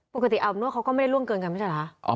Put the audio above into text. อาบอบนวดเขาก็ไม่ได้ล่วงเกินกันไม่ใช่เหรอคะ